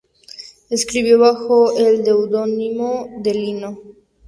Escribió bajo el seudónimo de Lino.